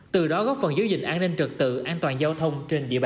từ đó góp phần giữ gìn an ninh trật tự an toàn giao thông trên địa bàn